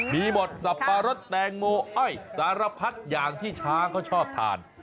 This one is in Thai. มีหมดสับปะรดแตงโมอ้อยสารพัดอย่างที่ช้างเขาชอบทาน